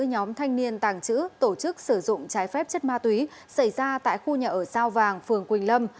hai nhóm thanh niên tàng trữ tổ chức sử dụng trái phép chất ma túy xảy ra tại khu nhà ở sao vàng phường quỳnh lâm